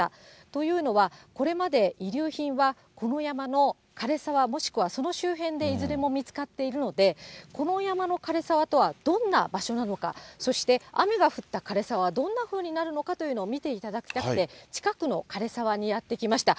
というのは、これまで遺留品はこの山の枯れ沢、もしくはその周辺でいずれも見つかっているので、この山の枯れ沢とはどんな場所なのか、そして雨が降った枯れ沢はどんなふうになるのかというのを見ていただきたくて、近くの枯れ沢にやって来ました。